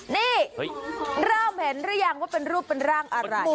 นี่เริ่มเห็นหรือยังว่าเป็นรูปเป็นร่างอะไร